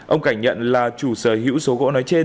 ông cảnh nhận là chủ sở hữu số gỗ nói trên